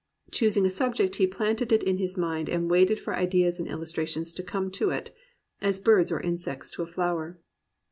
Choosing a subject he planted it in his mind and waited for ideas and illustrations to come to it, as birds or insects to a flower.